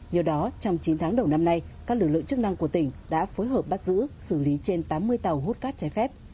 nhờ đó trong chín tháng đầu năm nay các lực lượng chức năng của tỉnh đã phối hợp bắt giữ xử lý trên tám mươi tàu hút cát trái phép